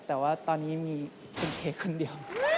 แต่ว่าตอนนี้มีคุณเค้กคนเดียว